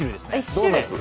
ドーナツ？